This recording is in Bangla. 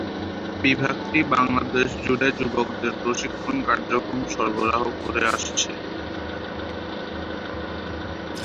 বিভাগটি বাংলাদেশ জুড়ে যুবকদের প্রশিক্ষণ কার্যক্রম সরবরাহ করে আসছে।